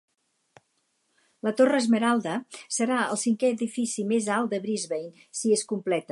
La Torre Esmeralda serà el cinquè edifici més alt de Brisbane si es completa.